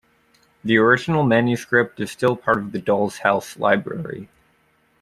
The original manuscript is still part of the Dolls' House library.